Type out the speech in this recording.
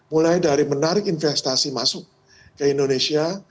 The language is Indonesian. mulai dari menarik investasi masuk ke indonesia